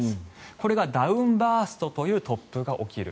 これが、ダウンバーストという突風が起きる。